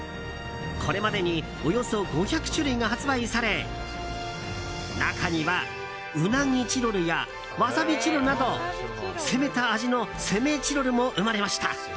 これまでにおよそ５００種類が発売され中には、うなぎチロルやわさびチロルなど攻めた味の攻めチロルも生まれました。